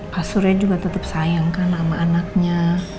pak surya juga tetep sayang kan sama anaknya